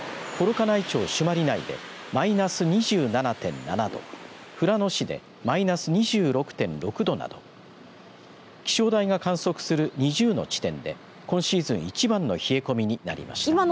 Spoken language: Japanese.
幌加内町朱鞠内でマイナス２７．７度富良野市でマイナス２６．６度など気象台が観測する２０の地点で今シーズン一番の冷え込みになりました。